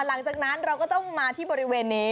หลังจากนั้นเราก็ต้องมาที่บริเวณนี้